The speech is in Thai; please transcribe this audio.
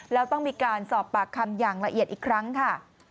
แล้วต้องมีการสอบปากคำอย่างละเอียดอีกครั้งค่ะ